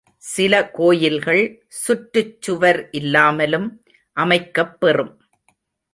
சில கோயில்கள் சுற்றுச் சுவர் இல்லாமலும் அமைக்கப் பெறும்.